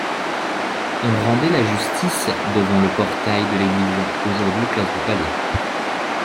On rendait la justice devant le portail de l'église aujourd'hui place du palais.